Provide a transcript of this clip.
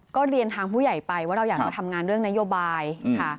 ก็เรียนทางผู้ใหญ่ไปว่าเราอยากจะทำงานเรื่องนโยบายค่ะ